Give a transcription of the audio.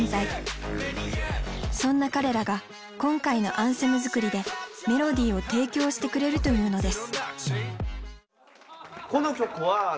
そんな彼らが今回のアンセム作りでメロディーを提供してくれるというのです。